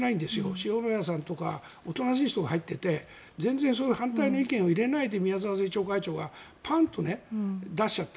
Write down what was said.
塩谷さんとかおとなしい人が入っていて全然反対の意見を入れないで宮沢政調会長がパンと出しちゃった。